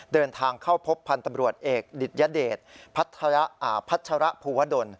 เดินทางเข้าพบพันธ์ตำรวจเอกดิตยเดชพัชระภูวดล